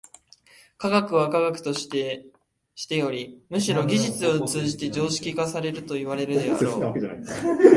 科学は科学としてよりむしろ技術を通じて常識化されるといわれるであろう。